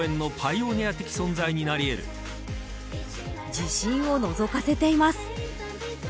自信をのぞかせています。